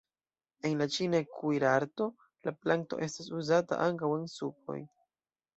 En la ĉina kuirarto la planto estas uzata ankaŭ en supoj.